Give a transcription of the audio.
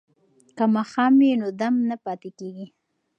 که ماښام وي نو دم نه پاتې کیږي.